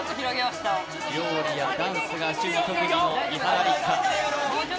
料理やダンスが趣味、特技の伊原六花。